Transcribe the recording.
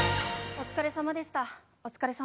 お疲れさまでした。